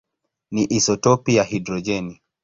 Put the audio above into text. ni isotopi ya hidrojeni.